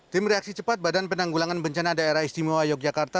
tim reaksi cepat badan penanggulangan bencana daerah istimewa yogyakarta